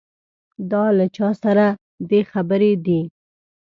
دا له چا سره دې خبرې دي.